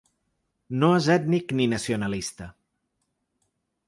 No és ètnic ni nacionalista .